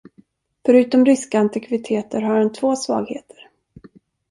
Förutom ryska antikviteter, har han två svagheter.